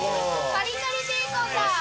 カリカリベーコンだ。